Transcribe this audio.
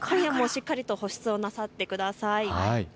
しっかりと保湿をなさってください。